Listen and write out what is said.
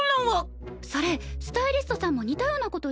それスタイリストさんも似たような事言ってた。